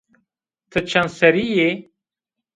Ti çend serrî yî?